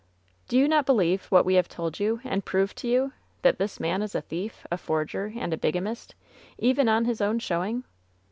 "Do you not believe what we have told you and proved to you — that this man is a thief, a forger and a biga mist, even on his own showing